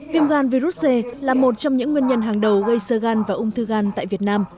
viêm gan virus c là một trong những nguyên nhân hàng đầu gây sơ gan và ung thư gan tại việt nam